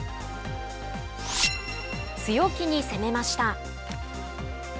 強気に攻めました。